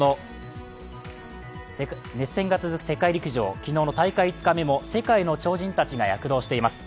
熱戦が続く世界陸上、昨日の大会５日目も世界の超人たちが躍動しています。